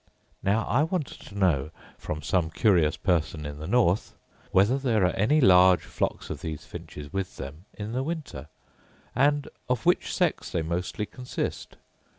Now I want to know, from some curious person in the north, whether there are any large flocks of these finches with them in the winter, and of which sex they mostly consist?